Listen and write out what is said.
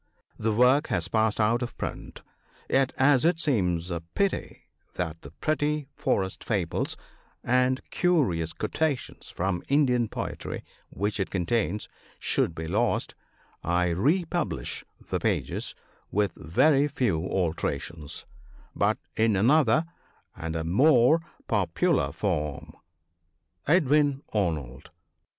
The work has passed out of print ; yet, as it seems a pity that the pretty forest fables and curious quotations from Indian poetry which it contains should be lost, I republish the pages, with very few alterations, but in another and a more popular form. Edwin Arnold.